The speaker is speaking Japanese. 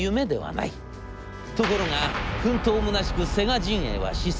ところが奮闘むなしくセガ陣営は失速。